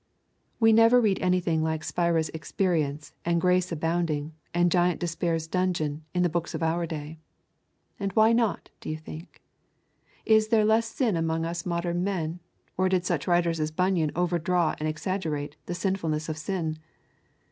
"' We never read anything like Spira's experience and Grace Abounding and Giant Despair's dungeon in the books of our day. And why not, do you think? Is there less sin among us modern men, or did such writers as John Bunyan overdraw and exaggerate the sinfulness of sin?